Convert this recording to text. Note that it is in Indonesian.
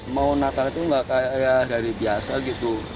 mau nakal itu nggak kayak dari biasa gitu